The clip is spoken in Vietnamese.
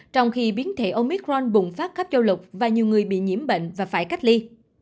trong khi biến thể omicron bùng phát khắp châu lục và nhiều người bị nhiễm bệnh và phải cách ly